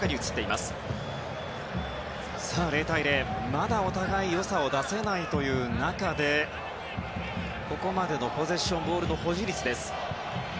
０対０、まだお互い良さを出せないという中でここまでのポゼッションボールの保持率です。